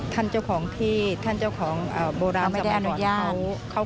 ท่านเจ้าของพี่ท่านเจ้าของโบราณสมัยก่อน